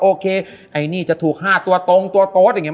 โอเคจะถูกห้าตัวตรงตัวโต๊ดไม่ใช่อย่างนั้น